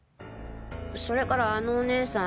それからあのおねさん